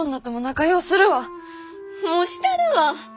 もうしたるわ！